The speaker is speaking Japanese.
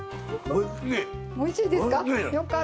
おいしいですか。